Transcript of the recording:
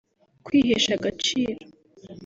kwihesha agaciro